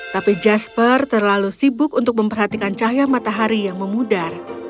tapi jasper terlalu sibuk untuk memperhatikan cahaya matahari yang memudar